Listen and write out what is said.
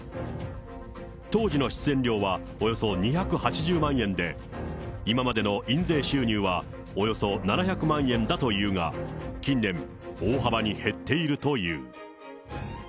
当時の出演料はおよそ２８０万円で、今までの印税収入はおよそ７００万円だというが、近年、大幅に減っているという。